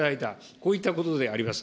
こういったことであります。